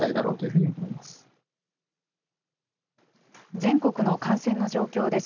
全国の感染の状況です。